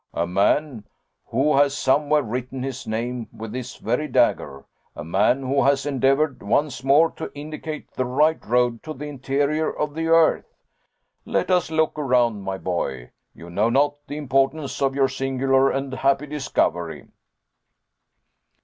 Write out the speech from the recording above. "A man who has somewhere written his name with this very dagger a man who has endeavored once more to indicate the right road to the interior of the earth. Let us look around, my boy. You know not the importance of your singular and happy discovery."